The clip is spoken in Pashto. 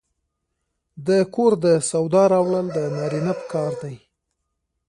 د کور د سودا راوړل د نارینه کار دی.